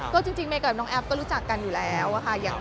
ก็จริงเมย์กับน้องแอฟก็รู้จักกันอยู่แล้วค่ะ